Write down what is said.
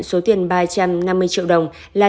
số tiền ba trăm năm mươi triệu đồng là